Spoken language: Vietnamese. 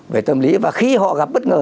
về tâm lý và khi họ gặp bất ngờ